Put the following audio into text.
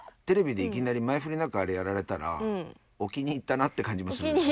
テレビでいきなり前振りなくあれやられたらおきにいったなって感じもする。